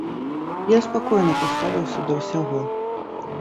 Я спакойна паставіўся да ўсяго.